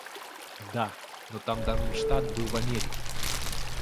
Да, но там Дармштадт был в Америке.